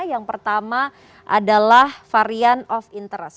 yang pertama adalah varian of interest